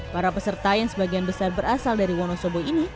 para peserta yang sebagian besar berasal dari wonosobo ini